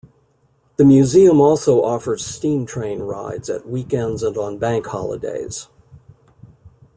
The museum also offers steam train rides at weekends and on bank holidays.